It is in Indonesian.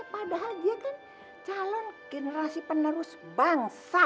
padahal dia kan calon generasi penerus bangsa